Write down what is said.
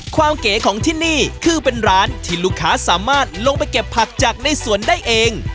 เก๋ของที่นี่คือเป็นร้านที่ลูกค้าสามารถลงไปเก็บผักจากในสวนได้เอง